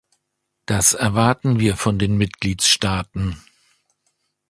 Das erwarten wir von den Mitgliedstaaten.